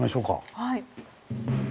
はい。